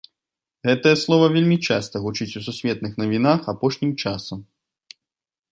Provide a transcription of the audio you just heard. Гэтае слова вельмі часта гучыць у сусветных навінах апошнім часам.